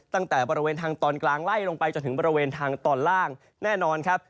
ตั้งแต่บริเวณทางตอนกลางไล่ลงไปจนถึงบริเวณทางตอนล่างแน่นอนครับ